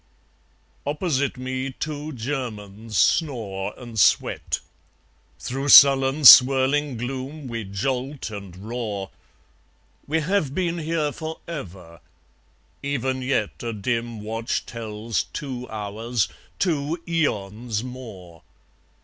Opposite me two Germans snore and sweat. Through sullen swirling gloom we jolt and roar. We have been here for ever: even yet A dim watch tells two hours, two aeons, more.